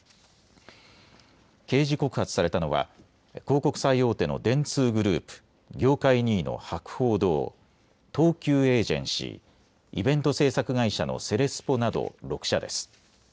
刑事告発されたのは広告最大手の電通グループ、業界２位の博報堂、東急エージェンシー、イベント制作会社のセレスポなど６社です。